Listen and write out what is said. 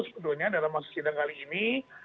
sebetulnya dalam masa sidang kali ini